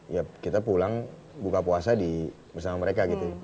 ya kita pulang buka puasa bersama mereka gitu